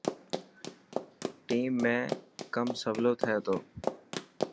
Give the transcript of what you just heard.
ٽيم ۾ ڪم سولو ٿي تو.